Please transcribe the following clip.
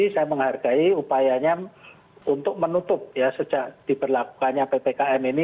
saya menghargai upayanya untuk menutup ya sejak diberlakukannya ppkm ini